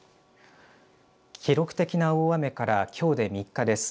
記録的な大雨からきょうで３日です。